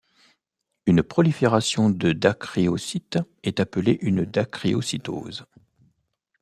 Une prolifération de dacryocytes est appelée une dacryocytose.